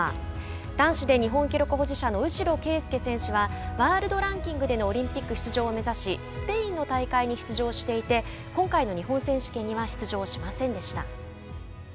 男子で日本記録保持者の右代啓祐選手はワールドランキングでのオリンピック出場を目指しスペインの大会に出場していて今回の日本選手権には出場しませんでした。